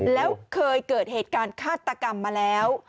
แล้วเคยเกิดเหตุการณ์ฆาตกรรมมาแล้ว